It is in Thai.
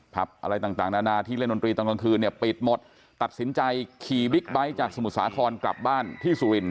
อะไรต่างนานาที่เล่นดนตรีตอนกลางคืนเนี่ยปิดหมดตัดสินใจขี่บิ๊กไบท์จากสมุทรสาครกลับบ้านที่สุรินท